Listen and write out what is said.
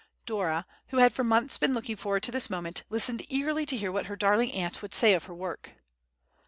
Dora, who had for months been looking forward to this moment, listened eagerly to hear what her darling aunt would say of her work.